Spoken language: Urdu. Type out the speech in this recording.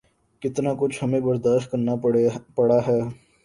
کتنا کچھ ہمیں برداشت کرنا پڑا ہے۔